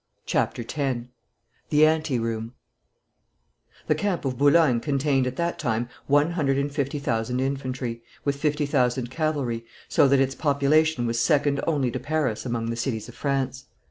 CHAPTER X THE ANTE ROOM The camp of Boulogne contained at that time one hundred and fifty thousand infantry, with fifty thousand cavalry, so that its population was second only to Paris among the cities of France.